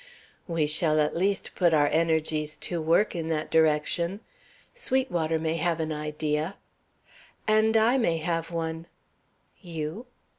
"We shall at least put our energies to work in that direction. Sweetwater may have an idea " "And I may have one." "You?"